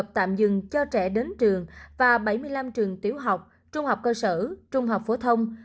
tạm dừng cho trẻ đến trường và bảy mươi năm trường tiểu học trung học cơ sở trung học phổ thông